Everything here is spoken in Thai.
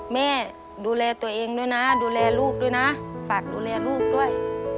แม่ดูแลตัวเองด้วยนะดูแลลูกด้วยนะฝากดูแลลูกด้วย